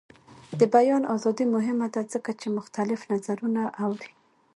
د بیان ازادي مهمه ده ځکه چې مختلف نظرونه اوري.